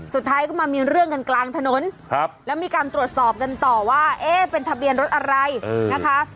สุดท้ายก็มามีเรื่องกันกลางถนนแล้วมีการตรวจสอบกันต่อว่าเอ๊ะเป็นทะเบียนรถอะไรนะคะ